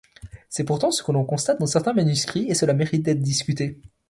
C'est pourtant ce que l'on constate dans certains manuscrits et cela mérite d'être discuté.